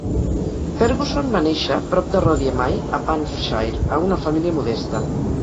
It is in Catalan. Ferguson va néixer prop de Rothiemay a Banffshire a una família modesta.